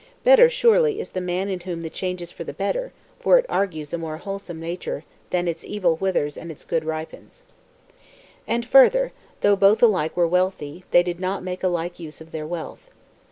Better, surely, is the man in whom the change is for the better; for it argues a more wholesome nature when its evil withers and its good ripens. |_ And further, though both alike were wealthy, they did not make a like use of their wealth.